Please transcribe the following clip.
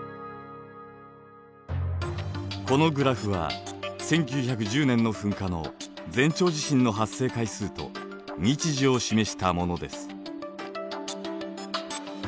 このグラフは１９１０年の噴火の前兆地震の発生回数と日時を示したものです。